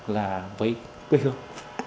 là với quê hương